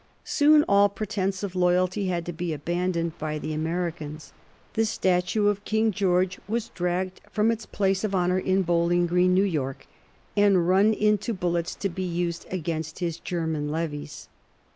Soon all pretence of loyalty had to be abandoned by the Americans. The statue of King George was dragged from its place of honor in Bowling Green, New York, and run into bullets to be used against his German levies.